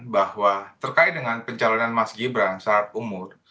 bahwa terkait dengan pencalonan mas gibran saat umur